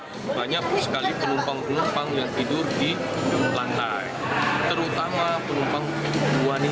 banyak sekali penumpang penumpang yang tidur di lantai